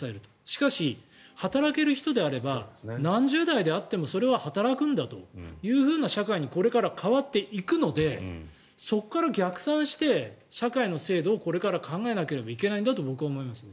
しかし、働ける人であれば何十代であってもそれは働くんだという社会にこれから変わっていくのでそこから逆算して社会の制度をこれから考えなきゃいけないんだと僕は思いますね。